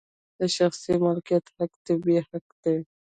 د شخصي مالکیت حق طبیعي حق دی.